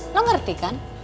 lo ngerti kan